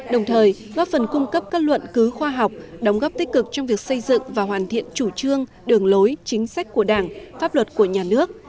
đồng thời góp phần cung cấp các luận cứu khoa học đóng góp tích cực trong việc xây dựng và hoàn thiện chủ trương đường lối chính sách của đảng pháp luật của nhà nước